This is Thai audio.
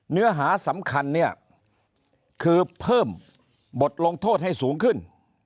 เนื้อหาสำคัญเนี่ยคือเพิ่มบทลงโทษให้สูงขึ้น